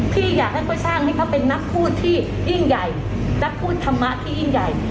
พี่อยากให้เขาสร้างให้เขาเป็นนักพูดที่ยิ่งใหญ่นักพูดธรรมะที่ยิ่งใหญ่